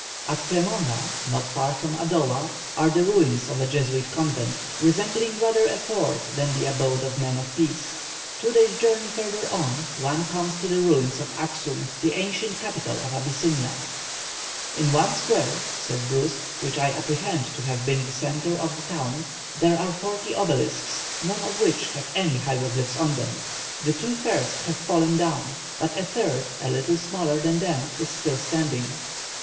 At Fremona, not far from Adowa, are the ruins of a Jesuit convent, resembling rather a fort than the abode of men of peace. Two days' journey further on, one comes to the ruins of Axum, the ancient capital of Abyssinia. "In one square," says Bruce, "which I apprehend to have been the centre of the town, there are forty obelisks, none of which have any hieroglyphics on them. The two first have fallen down, but a third a little smaller than them is still standing.